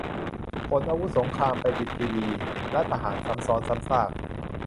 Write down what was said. ขนอาวุธสงครามไปปิดทีวี รัฐประหารซ้ำซ้อนซ้ำซาก